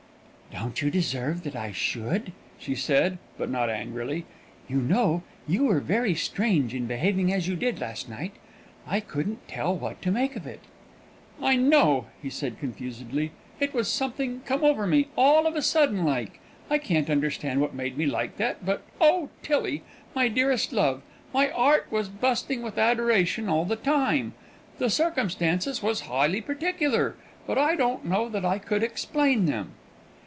"Don't you deserve that I should?" she said, but not angrily. "You know, you were very strange in behaving as you did last night. I couldn't tell what to make of it." "I know," he said confusedly; "it was something come over me, all of a sudden like. I can't understand what made me like that; but, oh, Tillie, my dearest love, my 'art was busting with adoration all the time! The circumstances was highly peculiar; but I don't know that I could explain them."